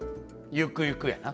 ゆくゆくやな。